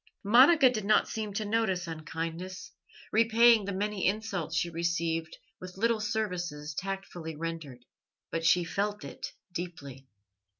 Monica did not seem to notice unkindness, repaying the many insults she received with little services tactfully rendered, but she felt it deeply.